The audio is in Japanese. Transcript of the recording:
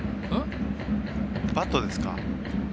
バットですか？